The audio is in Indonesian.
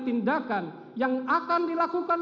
tindakan yang akan dilakukan